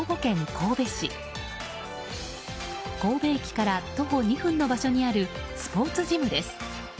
神戸駅から徒歩２分の場所にあるスポーツジムです。